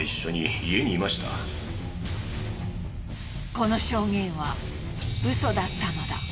この証言はウソだったのだ。